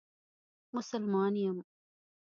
مسلمان یم.